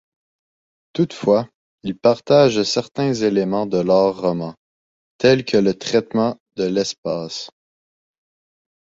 Toutefois, il partage certains éléments de l'art roman, tels que le traitement de l'espace.